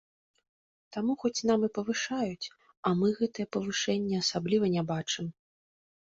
Таму хоць нам і павышаюць, а мы гэтыя павышэнні асабліва не бачым.